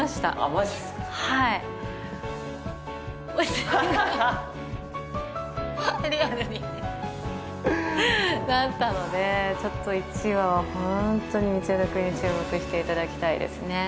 マジっすかはいリアルになったのでちょっと一話はホントに道枝くんに注目していただきたいですね